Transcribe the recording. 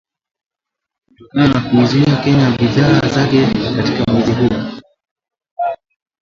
Kutokana na kuiuzia Kenya bidhaa zake katika mwezi huo